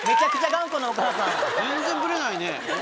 全然ブレないね。